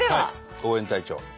応援隊長。